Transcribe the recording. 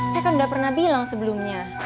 saya kan nggak pernah bilang sebelumnya